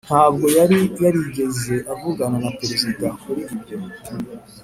] ntabwo yari yarigeze avugana na perezida kuri ibyo.